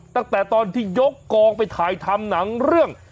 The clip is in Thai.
ตั้งแต่ตอนที่ยกกองไปถ่ายทำหนังเรื่อง